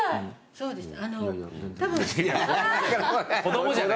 そうですね。